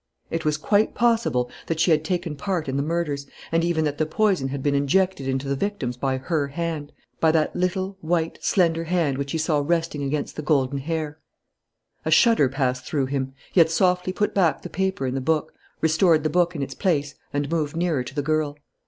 It was quite possible that she had taken part in the murders, and even that the poison had been injected into the victims by her hand, by that little, white, slender hand which he saw resting against the golden hair. A shudder passed through him. He had softly put back the paper in the book, restored the book in its place, and moved nearer to the girl.